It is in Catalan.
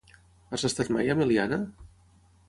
Has estat mai a Meliana?